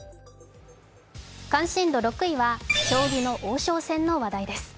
関心度６位は、将棋の王将戦の話題です。